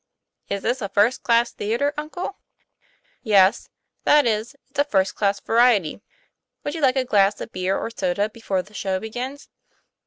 " Is this a first class theatre, uncle ?' 'Yes; that is, it's a first class variety. Would you like a glass of beer or soda before the show begins